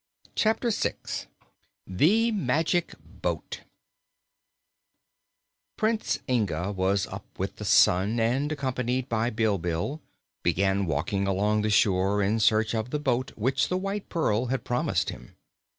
Chapter Six The Magic Boat Prince Inga was up with the sun and, accompanied by Bilbil, began walking along the shore in search of the boat which the White Pearl had promised him.